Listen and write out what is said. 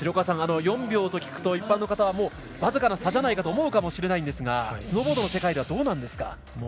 ４秒と聞くと一般の方は僅かな差だと思うかもしれないんですがスノーボードの世界ではどうなんですか？